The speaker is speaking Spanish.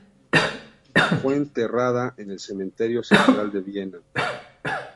Fue enterrada en el Cementerio central de Viena.